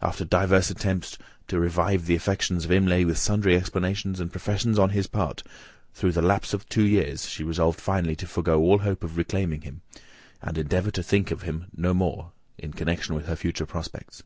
After divers attempts to revive the affections of Imlay, with sundry explanations and professions on his part, through the lapse of two years, she resolved finally to forgo all hope of reclaiming him, and endeavour to think of him no more in connexion with her future prospects.